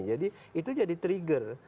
jadi itu jadi trigger